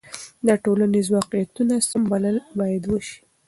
د ټولنیزو واقعیتونو سم بلل باید وسي.